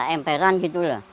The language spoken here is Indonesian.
emperan gitu loh